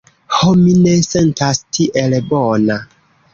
Ho, mi ne sentas tiel bona.